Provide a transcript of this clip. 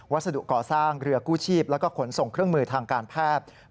สดุก่อสร้างเรือกู้ชีพแล้วก็ขนส่งเครื่องมือทางการแพทย์